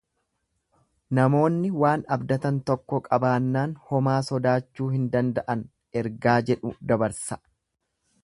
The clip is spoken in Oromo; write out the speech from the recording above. Namoonni waan abdatan tokko qabaannaan homaa sodaachuu hin danda'an ergaa jedhu dabarsa.